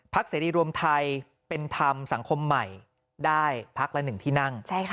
ภักดิ์เสรีรวมไทยเป็นธรรมสังคมใหม่ได้ภักดิ์ละหนึ่งที่นั่ง